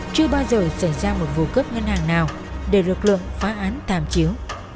chưa bao giờ xảy ra một vụ cướp ngân hàng nào để lực lượng phá án thảm chiếu